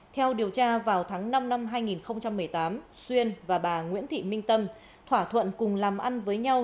theo điều tra vào tháng năm năm hai nghìn một mươi tám xuyên và bà nguyễn thị minh tâm thỏa thuận cùng làm ăn với nhau